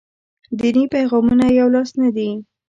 دیني پیغامونه یولاس نه دي.